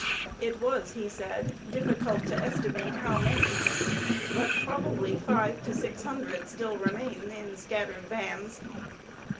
'It was,' he said, 'difficult to estimate how many; but probably five or six hundred still remain in scattered bands.'